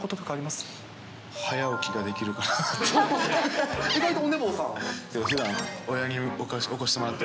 早起きができるかなって。